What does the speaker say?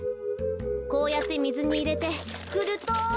こうやってみずにいれてふると。